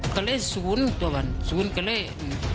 กระเละศูนย์ตัววันศูนย์กระเละ